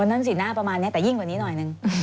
นั่นสิหน้าประมาณนี้แต่ยิ่งกว่านี้หน่อยหนึ่ง